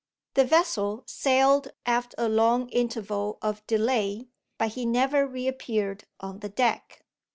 The vessel sailed after a long interval of delay, but he never reappeared on the deck.